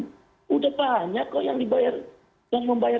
sudah banyak kok yang membayar